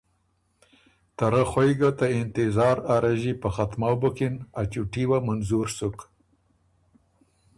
ته رۀ خوئ ګۀ ته انتظار ا رݫی په ختمؤ بُکِن ا چُوټي وه منظور سُک